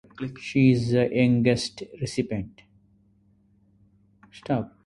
She is the youngest recipient.